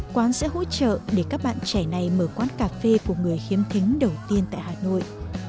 quán sẽ hỗ trợ để các bạn trẻ này mở quán cà phê của người khiếm thính đầu tiên tại hà nội